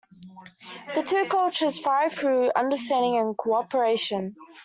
The two cultures thrived through understanding and co-operation.